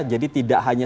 jadi tidak hanya